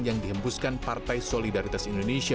yang dihembuskan partai solidaritas indonesia